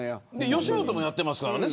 吉本もやってますからね。